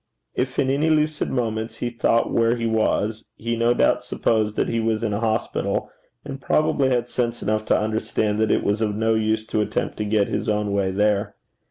If in any lucid moments he thought where he was, he no doubt supposed that he was in a hospital, and probably had sense enough to understand that it was of no use to attempt to get his own way there.